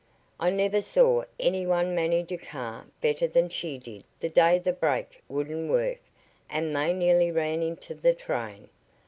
I never saw any one manage a car better than she did the day the brake wouldn't work and they nearly ran into the train.